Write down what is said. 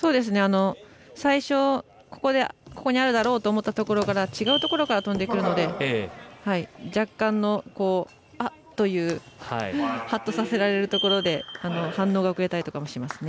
最初、ここにあるだろうと思ったところと違うところから飛んでくるので若干はっとさせられるところで反応が遅れたりとかもしますね。